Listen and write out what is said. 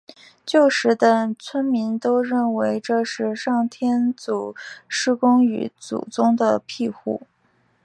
旧时的村民都认为这是上天祖师公与祖宗的庇护。